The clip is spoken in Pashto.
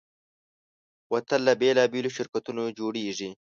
بوتل له بېلابېلو شرکتونو جوړېږي.